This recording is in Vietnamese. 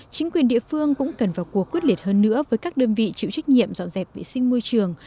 chính quyền địa phương cũng cần vào cuộc quyết liệt hơn nữa với các đơn vị chịu trách nhiệm dọn dẹp vệ sinh môi trường